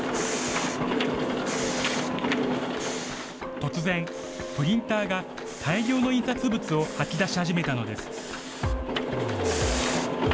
突然、プリンターが大量の印刷物を吐き出し始めたのです。